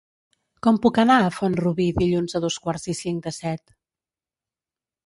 Com puc anar a Font-rubí dilluns a dos quarts i cinc de set?